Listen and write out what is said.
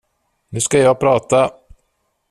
Nu ska jag prata!